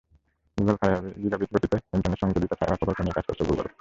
Google fibre gigabit গতিতে internet সংযোগ দিতে ফাইবার প্রকল্প নিয়ে কাজ করছে গুগল।